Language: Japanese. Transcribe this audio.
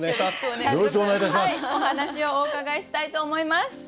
お願いします。